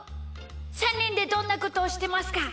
３にんでどんなことをしてますか？